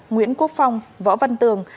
nguyễn quốc phong võ văn tường